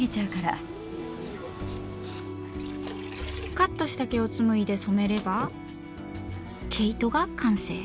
カットした毛をつむいで染めれば毛糸が完成。